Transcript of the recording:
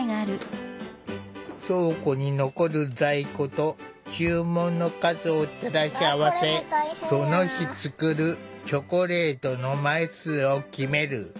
倉庫に残る在庫と注文の数を照らし合わせその日作るチョコレートの枚数を決める。